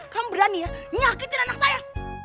kamu berani ya nyakitin anak saya